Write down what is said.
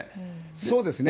そうですね。